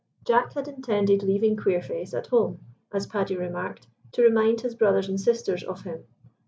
Jack had intended leaving Queerface at home, as Paddy remarked, to remind his brothers and sisters of him.